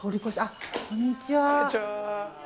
こんにちは。